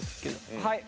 はい。